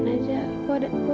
enggak usah enggak apa apa